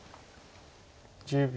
１０秒。